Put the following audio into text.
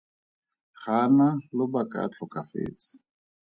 Ga a na lobaka a tlhokafetse.